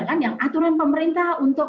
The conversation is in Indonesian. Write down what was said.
kan yang aturan pemerintah untuk